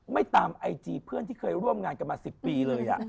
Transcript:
ไม่ตามไอจีเพื่อนที่เคยร่วมงานกันมา๑๐ปีเลย